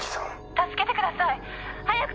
「助けてください！早く助けて！」